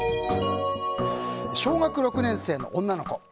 小学６年生の女の子。